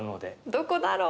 どこだろう？